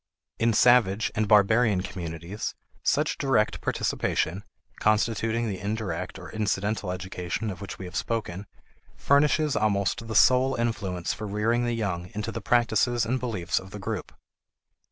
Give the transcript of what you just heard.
In savage and barbarian communities, such direct participation (constituting the indirect or incidental education of which we have spoken) furnishes almost the sole influence for rearing the young into the practices and beliefs of the group.